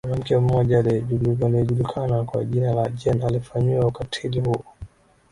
Mwanamke mmoja anaejulukana kwa jina la Jane alifanyiwa ukatitili huu